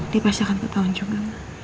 dia pasti akan ketahuan juga